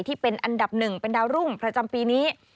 ที่เป็นอันดับหนึ่งเป็นดาวรุ่งประจำปีนี้